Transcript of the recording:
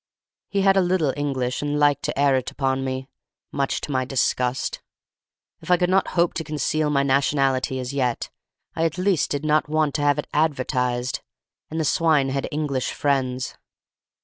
"He had a little English, and liked to air it upon me, much to my disgust; if I could not hope to conceal my nationality as yet, I at least did not want to have it advertised; and the swine had English friends.